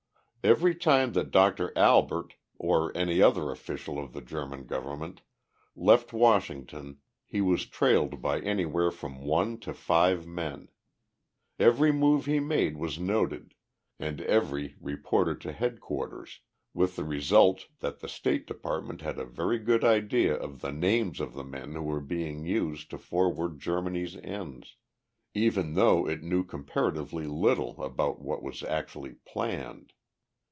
Every time that Doctor Albert, or any other official of the German government, left Washington he was trailed by anywhere from one to five men. Every move he made was noted and reported to headquarters, with the result that the State Department had a very good idea of the names of the men who were being used to forward Germany's ends, even though it knew comparatively little about what was actually planned.